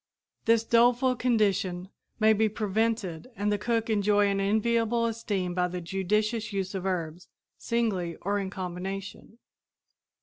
This doleful condition may be prevented and the cook enjoy an enviable esteem by the judicious use of herbs, singly or in combination.